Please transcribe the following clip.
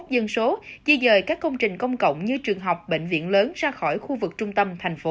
dân số di dời các công trình công cộng như trường học bệnh viện lớn ra khỏi khu vực trung tâm thành phố